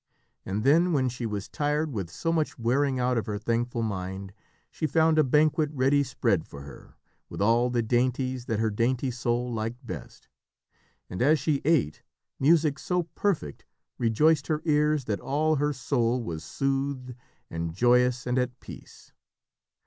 And then, when she was tired with so much wearing out of her thankful mind, she found a banquet ready spread for her, with all the dainties that her dainty soul liked best; and, as she ate, music so perfect rejoiced her ears that all her soul was soothed and joyous and at peace.